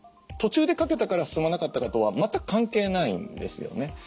途中で掛けたから進まなかったかとは全く関係ないんですよね。